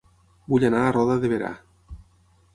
Vull anar a Roda de Berà